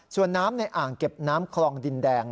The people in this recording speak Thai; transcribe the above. ส่วนน้ำในอ่างเก็บน้ำคลองดินแดง